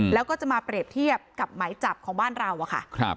แล้วก็จะมาเปรียบเทียบกับหมายจับของบ้านเราอะค่ะ